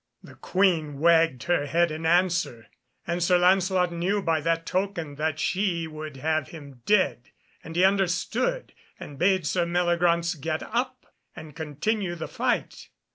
The Queen wagged her head in answer, and Sir Lancelot knew by that token that she would have him dead, and he understood, and bade Sir Meliagraunce get up, and continue the fight.